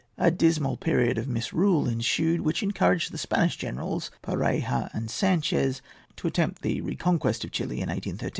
A dismal period of misrule ensued, which encouraged the Spanish generals, Pareja and Sanchez, to attempt the reconquest of Chili in 1813.